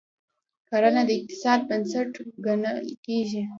کرنه د اقتصاد بنسټ ګڼل کیږي.